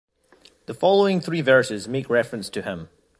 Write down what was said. The following three verses make reference to him.